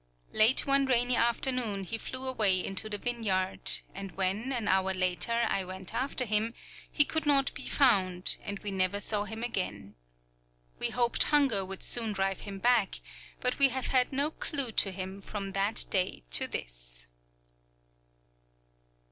Late one rainy afternoon he flew away into the vineyard, and when, an hour later, I went after him, he could not be found, and we never saw him again. We hoped hunger would soon drive him back, but we have had no clew to him from that day to this.